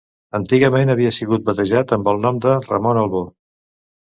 Antigament havia sigut batejat amb el nom de Ramon Albó.